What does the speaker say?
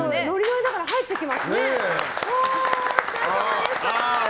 ノリノリだから入ってきますね。